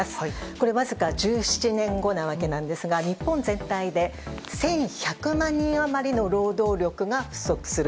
これはわずか１７年後なわけですが日本全体で１１００万人余りの労働力が不足する。